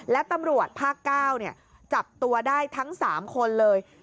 และตำรวจภาค๙จับตัวได้ทั้ง๓คนเลย